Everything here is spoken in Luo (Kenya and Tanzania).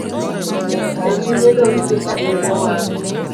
e chunye nowinjo ka duonde wang